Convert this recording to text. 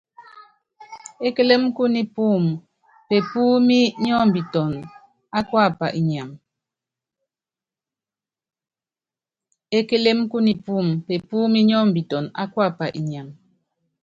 Ékélém kú nipúum, pepúúmi nyɔ́mbiton á kuapa inyam.